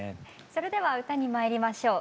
それでは歌にまいりましょう。